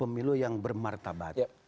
pemilu yang bermartabat